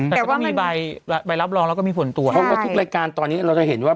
แต่ว่ามีใบใบรับรองแล้วก็มีผลตัวใช่ทุกรายการตอนนี้เราจะเห็นว่า